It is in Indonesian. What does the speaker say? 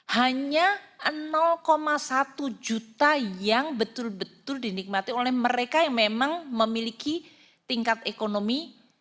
hanya satu juta yang betul betul dinikmati oleh mereka yang memang memiliki tingkat ekonomi